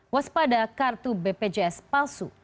waspada kartu bpjs palsu